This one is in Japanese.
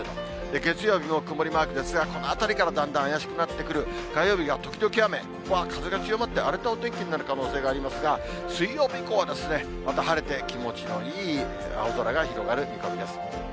月曜日も曇りマークですが、このあたりからだんだん怪しくなってくる、火曜日が時々雨、ここは風が強まって、荒れたお天気になる可能性がありますが、水曜日以降は、また晴れて、気持ちのいい青空が広がる見込みです。